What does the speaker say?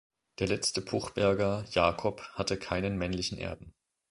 Der letzte Puchberger Jakob hatte keinen männlichen Erben.